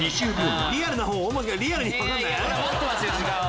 リアルなほう？